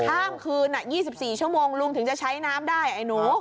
ข้ามคืน๒๔ชั่วโมงลุงถึงจะใช้น้ำได้ไอ้หนู